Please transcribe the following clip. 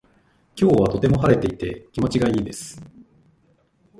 今日はとても晴れていて気持ちがいいです。